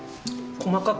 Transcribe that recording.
細かく。